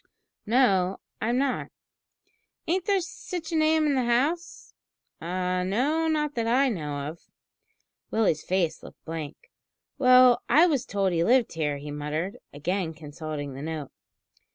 "No, I'm not." "Ain't there sitch a name in the house?" "No, not that I know of." Willie's face looked blank. "Well, I was told he lived here," he muttered, again consulting the note.